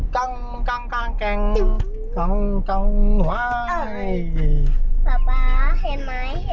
ป๊าป๊าเห็นไหม